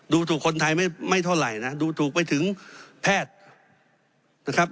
ดูถูกคนไทยไม่เท่าไหร่นะดูถูกไปถึงแพทย์นะครับ